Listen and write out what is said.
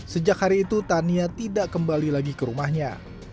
sejak hari itu tania tidak kembali lagi ke rumahnya